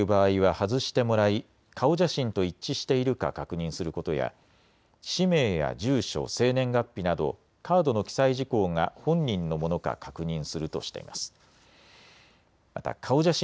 この中ではカードを交付する際、マスクをしている場合は外してもらい顔写真と一致しているか確認することや氏名や住所、生年月日などカードの記載事項が本人のものか確認するとしています。